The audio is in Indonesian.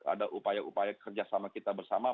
ada upaya upaya kerjasama kita bersama